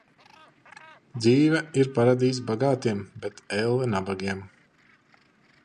Dzīve ir paradīze bagātiem, bet elle nabagiem.